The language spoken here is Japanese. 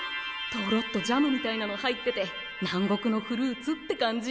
トロッとジャムみたいなの入ってて南国のフルーツって感じ。